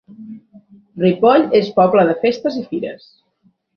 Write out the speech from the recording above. Ripoll és poble de festes i fires.